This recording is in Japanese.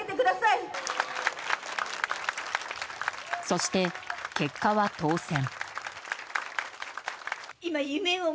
そして結果は当選。